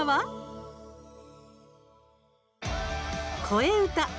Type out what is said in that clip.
「こえうた」。